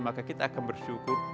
maka kita akan bersyukur